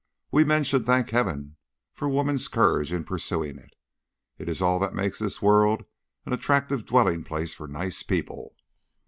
We men should thank Heaven for women's courage in pursuing it. It is all that makes this world an attractive dwelling place for nice people."